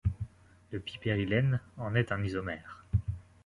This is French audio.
Le pipérylène en est un isomère.